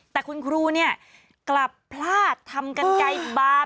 แต่คุณครูกลับพลาดทำกันไกลบาป